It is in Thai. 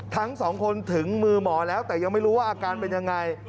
ทั้งสองคนถึงมือหมอแล้วแต่ยังไม่รู้ว่าอาการเป็นยังไง